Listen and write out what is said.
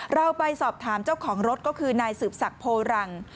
เราไปสอบถามเจ้าของรถก็คือนายสืบศักดิ์โพรัง